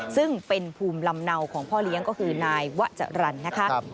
ซึ่งเป็นภูมิลำเนาของพ่อเลี้ยงก็คือนายวะจรรย์นะคะ